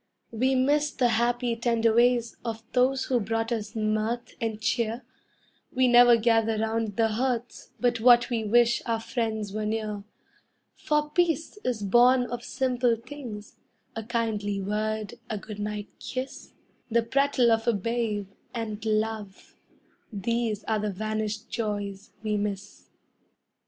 We miss the happy, tender ways of those who brought us mirth and cheer; We never gather round the hearth but what we wish our friends were near; For peace is born of simple things a kindly word, a good night kiss, The prattle of a babe, and love these are the vanished joys we miss.